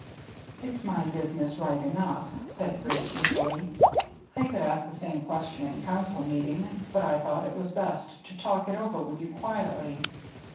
"It's my business, right enough," said Bridge, easily. "I could ask the same question in Council meeting, but I thought it was best to talk it over with you quietly.